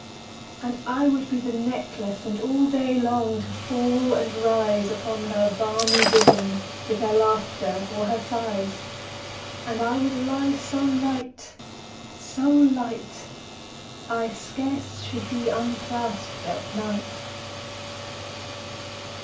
And I would be the necklace, And all day long to fall and rise Upon her balmy bosom, 15 With her laughter or her sighs: And I would lie so light, so light, I scarce should be unclasp'd at night.